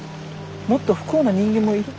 もっと不幸な人間もいる。